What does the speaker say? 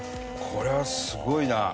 これはすごいな。